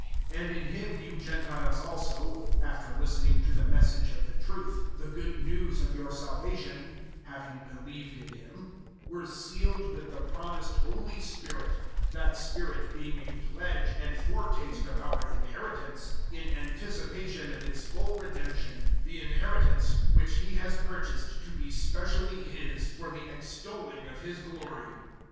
001:013 And in Him you Gentiles also, after listening to the Message of the truth, the Good News of your salvation having believed in Him were sealed with the promised Holy Spirit; 001:014 that Spirit being a pledge and foretaste of our inheritance, in anticipation of its full redemption the inheritance which He has purchased to be specially His for the extolling of His glory.